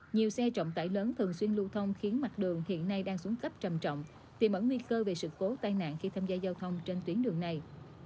nhiều xe trọng tải lớn thường xuyên lưu thông khiến mặt đường hiện nay đang xuống cấp trầm trọng tìm ẩn nguy cơ về sự cố tai nạn khi tham gia giao thông trên tuyến đường này